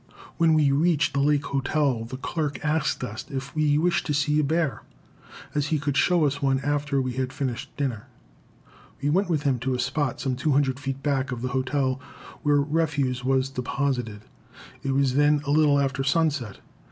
When we reached the Lake Hotel, the clerk asked us if we wished to see a bear, as he could show us one after we had finished dinner. We went with him to a spot some 200 feet back of the hotel, where refuse was deposited. It was then a little after sunset.